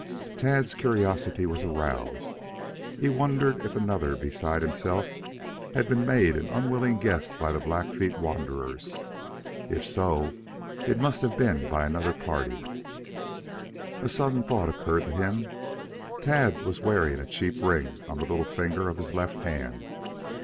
Tad's curiosity was aroused. He wondered if another besides himself had been made an unwilling guest by the Blackfeet wanderers. If so, it must have been by another party. A sudden thought occurred to him. Tad was wearing a cheap ring on the little finger of his left hand.